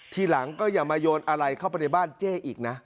ทีหลังก็อย่ามาโยนอะไรเข้าไปในบ้านเจ๊อีกนะ